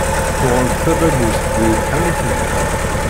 Tuɣeḍ-d tabagust deg tḥanut-nni?